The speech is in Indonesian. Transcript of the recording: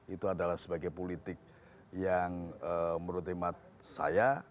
itu adalah sebagai politik yang menurut imat saya